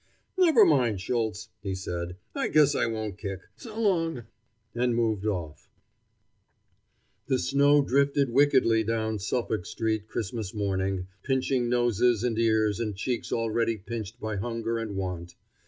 "Never mind, Schultz," he said; "I guess I won't kick; so long!" and moved off. The snow drifted wickedly down Suffolk street Christmas morning, pinching noses and ears and cheeks already pinched by hunger and want.